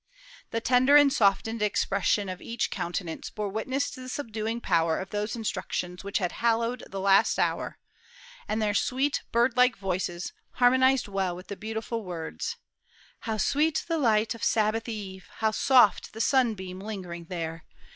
The tender and softened expression of each countenance bore witness to the subduing power of those instructions which had hallowed the last hour, and their sweet, birdlike voices harmonized well with the beautiful words: "How sweet the light of Sabbath eve! How soft the sunbeam lingering there!